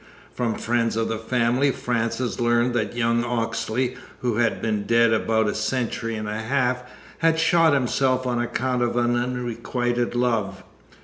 From friends of the family Frances learned that young Oxley, who had been dead about a century and a half, had shot himself on account of unrequited love.